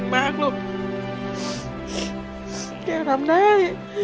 สุดท้าย